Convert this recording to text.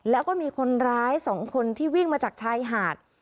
แล้วก็มีคนร้าย๒คนที่วิ่งมาจากชายหาด